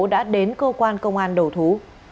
đã đến cơ quan công an đầu thú